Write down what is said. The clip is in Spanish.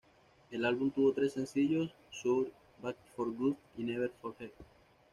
El álbum tuvo tres sencillos: Sure, Back for Good y Never Forget.